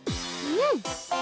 うん！